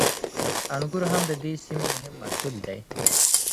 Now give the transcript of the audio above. انګور هم د دې سیمې مهم محصول دی.